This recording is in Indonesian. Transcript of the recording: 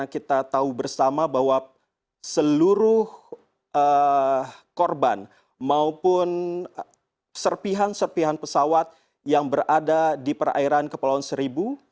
kita tahu bersama bahwa seluruh korban maupun serpihan serpihan pesawat yang berada di perairan kepulauan seribu